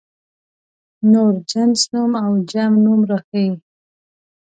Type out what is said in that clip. نور جنس نوم او جمع نوم راښيي.